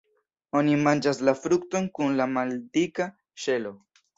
Oni manĝas la frukton kun la maldika ŝelo.